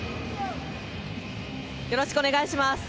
よろしくお願いします。